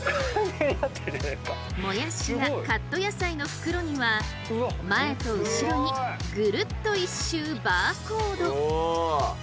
もやしやカット野菜の袋には前と後ろにぐるっと一周バーコード。